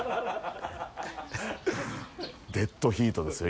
デットヒートですよ